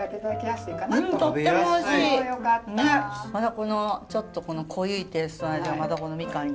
このちょっとこの濃いテーストの味がまたこのみかんに。